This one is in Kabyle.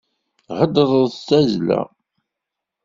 Theddṛeḍ s tazzla.